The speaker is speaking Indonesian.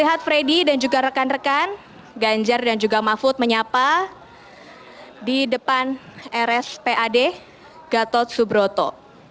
dilihat freddy dan juga rekan rekan ganjar dan juga mahfud menyapa di depan rs pad gatusubroto